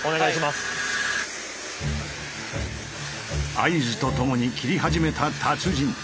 合図とともに切り始めた達人。